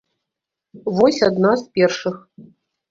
Вось адна з першых.